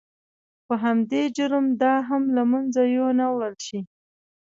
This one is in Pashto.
په همدې جرم دا هم له منځه یو نه وړل شي.